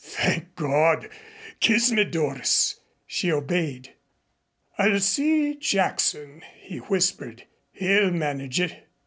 "Thank God! Kiss me, Doris." She obeyed. "I'll see Jackson," he whispered. "He'll manage it.